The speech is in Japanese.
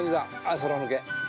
空抜け。